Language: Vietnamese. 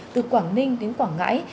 từ quảng ninh đến quảng ngãi